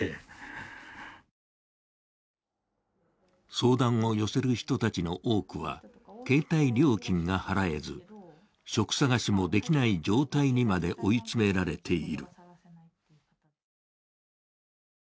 相談を寄せる人たちの多くは携帯料金が払えず職探しもできない状態にまで追い詰められている。